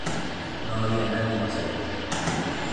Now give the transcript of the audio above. No había nadie más ahí.